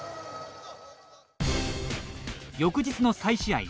翌日の再試合。